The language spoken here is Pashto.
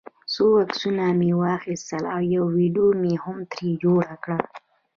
څو عکسونه مې واخیستل او یوه ویډیو مې هم ترې جوړه کړه.